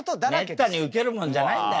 めったにウケるもんじゃないんだよ。